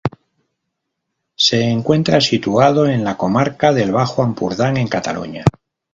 Se encuentra situado en la comarca del Bajo Ampurdán en Cataluña.